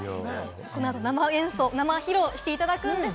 この後、生演奏を生披露していただきます。